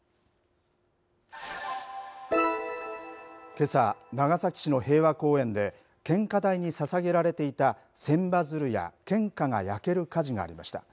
けさ、長崎市の平和公園で、献花台にささげられていた千羽鶴や献花が焼ける火事がありました。